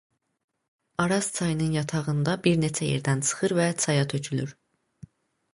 Araz çayının yatağında bir neçə yerdən çıxır və çaya tökülür.